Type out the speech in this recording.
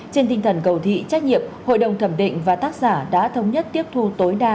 trên tinh thần cầu thị trách nhiệm hội đồng thẩm định và tác giả đã thống nhất tiếp thu tối đa